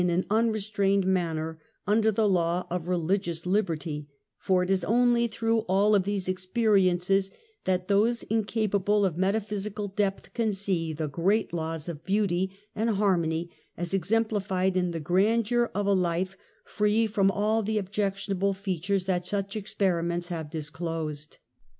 an unrestrained manner under the law of religious liberty, for it is only through all of these experiences that those incapable of metaphysical depth can see the great laws of beauty and harmony as exemplified in the grandeur of a life free from all the objectionable features that such experiments have disclosed.